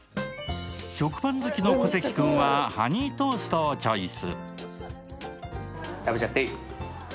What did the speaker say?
食パン好きの小関君はハニートーストをチョイス。